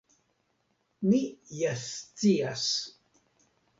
Mi ja scias.